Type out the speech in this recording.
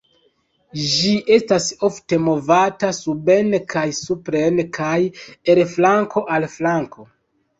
Ĝi estas ofte movata suben kaj supren kaj el flanko al flanko.